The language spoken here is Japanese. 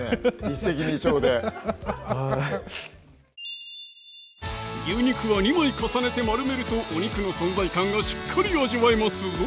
一石二鳥でハハハハハッ牛肉は２枚重ねて丸めるとお肉の存在感がしっかり味わえますぞ